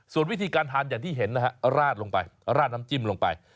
ส่วนวิธีการทานอย่างที่เห็นนะฮะราดลงไปราดน้ำจิ้มลงไป